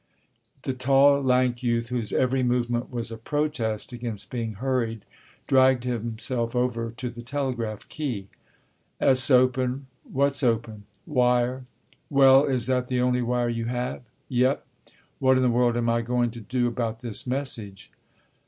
The tall lank youth, whose every movement was a protest against being hurried, dragged himself over to the telegraph key. "'S open." "What's open?" "Wire." "Well, is that the only wire you have?" "Yep." "What in the world am I going to do about this message?"